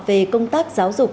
về công tác giáo dục